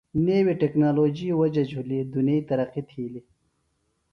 نیوی ٹیکنالوجی وجہ جُھلیۡ دنیئی ترقیۡ تِھیلیۡ۔